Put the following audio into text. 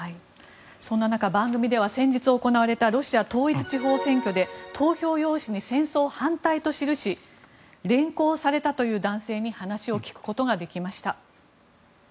そんな中、番組では先日行われたロシア統一地方選挙で投票用紙に戦争反対と記し連行されたという男性に話を聞くことができました。